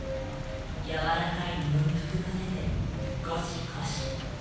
柔らかい布に含ませてゴシゴシ。